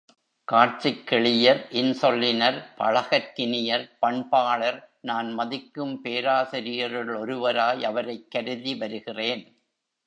காட்சிக்கெளியர் இன் சொல்லினர் பழகற்கினியர் பண்பாளர் நான் மதிக்கும் பேராசிரியருள் ஒருவராய் அவரைக் கருதிவருகிறேன்.